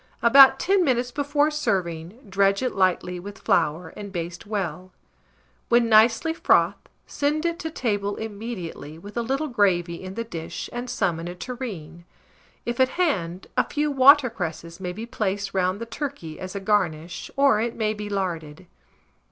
About 10 minutes before serving, dredge it lightly with flour, and baste well; when nicely frothed, send it to table immediately, with a little gravy in the dish, and some in a tureen. If at hand, a few water cresses may be placed round the turkey as a garnish, or it may be larded.